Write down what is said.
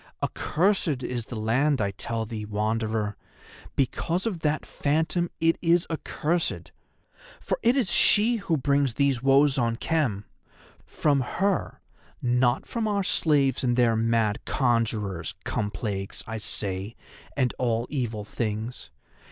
Accursed is the land, I tell thee, Wanderer; because of that Phantom it is accursed. For it is she who brings these woes on Khem; from her, not from our slaves and their mad conjurers, come plagues, I say, and all evil things.